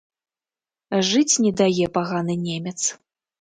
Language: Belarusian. Жыць не дае паганы немец.